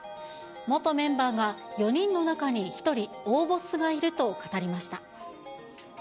元メンバーが４人の中に１人、大ボスがいると語りました。